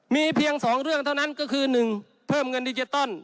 มีเพียงสองเรื่องเท่านั้นก็คือหนึ่งเพิ่มเงินดิเจ็ตต้น